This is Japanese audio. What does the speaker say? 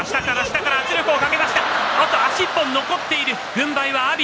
軍配は阿炎。